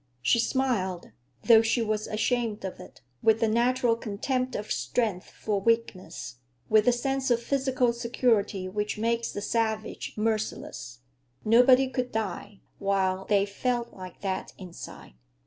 She smiled—though she was ashamed of it—with the natural contempt of strength for weakness, with the sense of physical security which makes the savage merciless. Nobody could die while they felt like that inside.